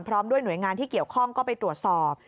พร้อมด้วยหน่วยงานที่เกี่ยวข้องก็ไปตรวจสอบ